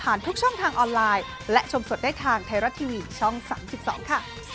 อันนั้นจะสดกระปุก